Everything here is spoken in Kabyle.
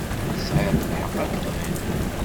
Tesεiḍ lḥeqq ad k-tɣiḍ.